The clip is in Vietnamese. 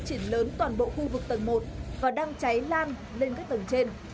đám cháy đến toàn bộ khu vực tầng một và đang cháy lan lên các tầng trên